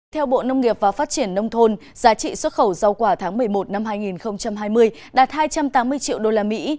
theo bộ nông nghiệp và phát triển nông thôn giá trị xuất khẩu rau quả tháng một mươi một năm hai nghìn hai mươi đạt hai trăm tám mươi triệu đô la mỹ